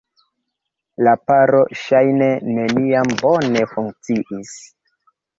La paro ŝajne neniam bone funkciis.